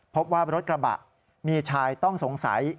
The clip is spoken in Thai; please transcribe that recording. พบว่ารถกระบะมีชายต้องสงสัย